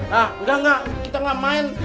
hah enggak enggak kita gak main